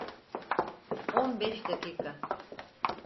On beş dakika.